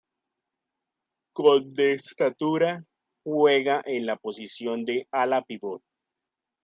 Con de estatura, juega en la posición de ala-pívot.